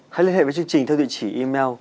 hãy liên hệ với chương trình theo địa chỉ email